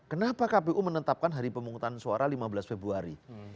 kenapa kpu menetapkan hari pemungutan suara lima belas februari